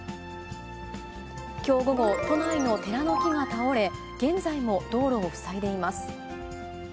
きょう午後、都内の寺の木が倒れ、現在も道路を塞いでいます。